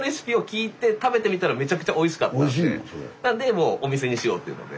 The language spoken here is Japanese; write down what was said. でお店にしようっていうので。